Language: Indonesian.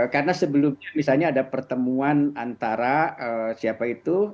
karena sebelumnya misalnya ada pertemuan antara siapa itu